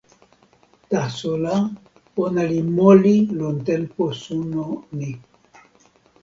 taso la, ona li moli lon tenpo suno ni.